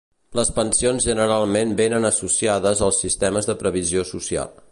Les pensions generalment vénen associades als sistemes de previsió social.